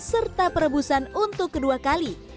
serta perebusan untuk kedua kali